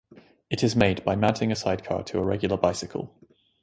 It is made by mounting a sidecar to a regular bicycle.